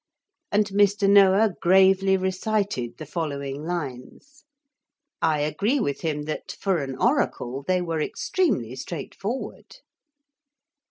And Mr. Noah gravely recited the following lines. I agree with him that, for an oracle, they were extremely straightforward.